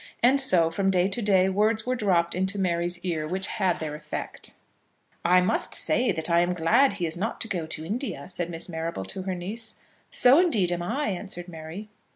And so from day to day words were dropped into Mary's ear which had their effect. "I must say that I am glad that he is not to go to India," said Miss Marrable to her niece. "So, indeed, am I," answered Mary.